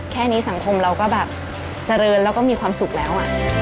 แค่นี้สังคมเราก็แบบเจริญแล้วก็มีความสุขแล้ว